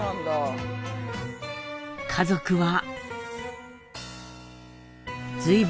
家族は。